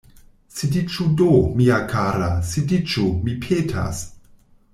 Sidiĝu do, mia kara, sidiĝu, mi petas!